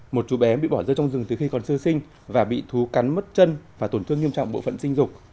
một chú bé bị bỏ rơi trong rừng từ khi còn sơ sinh và bị thú cắn mất chân và tổn thương nghiêm trọng bộ phận sinh dục